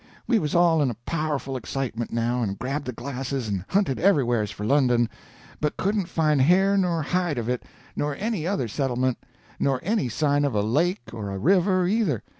We was all in a powerful excitement now, and grabbed the glasses and hunted everywheres for London, but couldn't find hair nor hide of it, nor any other settlement—nor any sign of a lake or a river, either.